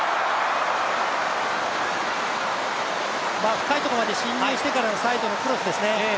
深いところまで進入してからのサイドからのクロスですね。